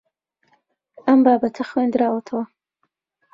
ئەم بابەتە خوێندراوەتەوە.